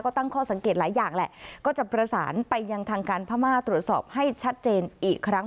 ก็ตั้งข้อสังเกตหลายอย่างแหละก็จะประสานไปยังทางการพม่าตรวจสอบให้ชัดเจนอีกครั้ง